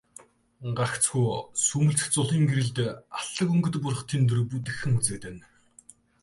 Гагцхүү сүүмэлзэх зулын гэрэлд алтлаг өнгөт бурхдын дүр бүдэгхэн үзэгдэнэ.